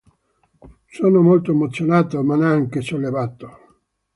Sono molto emozionato, ma anche sollevato.